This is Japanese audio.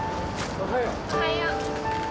おはよう。